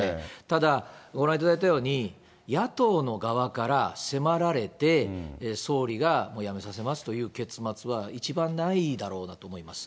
ただ、ご覧いただいたように、野党の側から迫られて、総理が辞めさせますという結末は一番ないだろうなと思います。